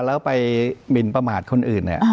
แล้วไปหมินประมาทคนอื่น